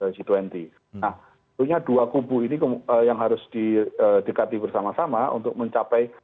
nah ini adalah dua kubu ini yang harus di dekati bersama sama untuk mencapai